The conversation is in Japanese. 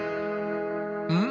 うん？